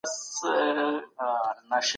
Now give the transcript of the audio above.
حقوقپوهان کله د بشري حقونو تړونونه مني؟